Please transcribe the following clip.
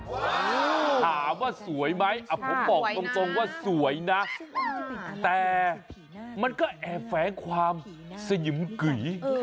ถามว่าสวยไหมผมบอกตรงว่าสวยนะแต่มันก็แอบแฝงความสยิมกุย